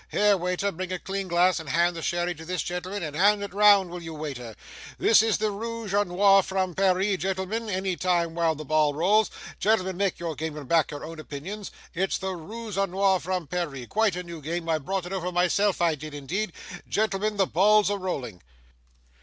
here, wai ter! bring a clean glass, and hand the sherry to this gentleman and hand it round, will you, waiter? this is the rooge a nore from Paris, gentlemen any time while the ball rolls! gentlemen, make your game, and back your own opinions it's the rooge a nore from Paris quite a new game, I brought it over myself, I did indeed gentlemen, the ball's a rolling!